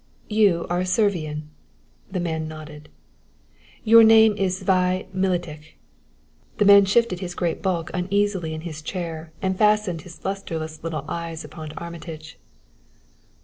You are a Servian." The man nodded. "Your name is Zmai Miletich." The man shifted his great bulk uneasily in his chair and fastened his lusterless little eyes upon Armitage.